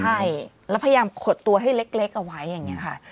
ใช่แล้วพยายามขดตัวให้เล็กเอาไว้อย่างนี้ค่ะ